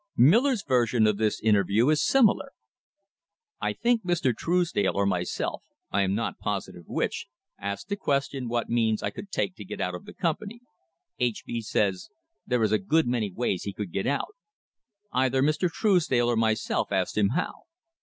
Miller's version of this interview is similar: "I think Mr. Truesdale or myself, I am not positive which, asked the question what means I could take to get out of the company. H. B. says, 'There is a good many ways he could get out.' Either Mr. Truesdale or myself asked him how.